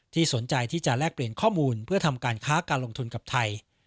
สนใจที่จะแลกเปลี่ยนข้อมูลเพื่อทำการค้าการลงทุนกับไทย